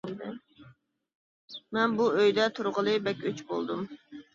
مەن بۇ ئۆيدە تۇرغىلى بەك ئۆچ بولدۇم.